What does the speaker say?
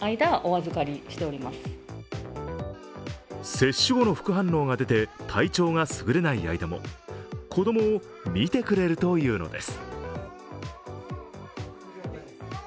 接種後の副反応が出て、体調がすぐれない間も子供を見てくれるというのです。